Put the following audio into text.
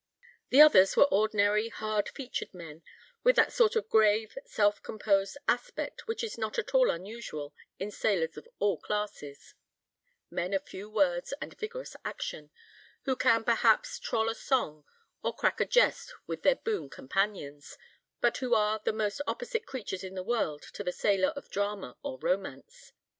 The others were ordinary, hard featured men, with that sort of grave, self composed aspect, which is not at all unusual in sailors of all classes: men of few words and vigorous action, who can perhaps troll a song or crack a jest with their boon companions, but who are the most opposite creatures in the world to the sailor of drama or romance.